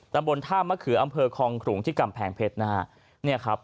ตำบลท่ามะเขืออำเภอคองขลุงที่กำแพงเพชรนะฮะเนี่ยครับ